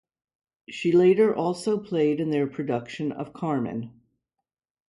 She later also played in their production of "Carmen".